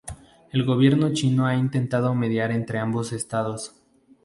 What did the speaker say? El gobierno chino ha intentado mediar entre ambos estados.